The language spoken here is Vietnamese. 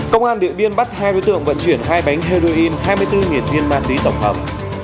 công an địa biên bắt hai biểu tượng vận chuyển hai bánh heroin hai mươi bốn viên ma tí tổng hợp